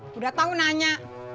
sudah tau nanya